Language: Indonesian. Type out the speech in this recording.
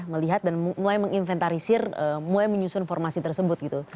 melihat dan mulai menginventarisir mulai menyusun formasi tersebut gitu